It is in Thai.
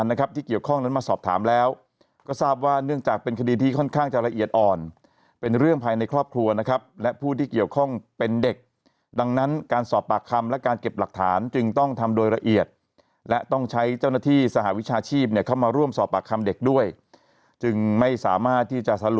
นะครับที่เกี่ยวข้องนั้นมาสอบถามแล้วก็ทราบว่าเนื่องจากเป็นคดีที่ค่อนข้างจะละเอียดอ่อนเป็นเรื่องภายในครอบครัวนะครับและผู้ที่เกี่ยวข้องเป็นเด็กดังนั้นการสอบปากคำและการเก็บหลักฐานจึงต้องทำโดยละเอียดและต้องใช้เจ้าหน้าที่สหวิชาชีพเนี่ยเข้ามาร่วมสอบปากคำเด็กด้วยจึงไม่สามารถที่จะสลุ